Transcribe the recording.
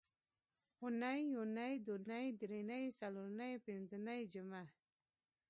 اونۍ، یونۍ، دونۍ، درېنۍ، څلورنۍ، پینځنۍ، جمعه